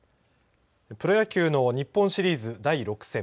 プロ野球の日本シリーズ第６戦。